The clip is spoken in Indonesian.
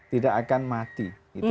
tidak akan mati